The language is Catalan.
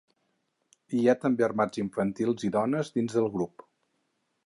Hi ha també armats infantils i dones dins el grup.